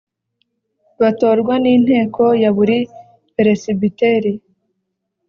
batorwa n Inteko ya buri Peresibiteri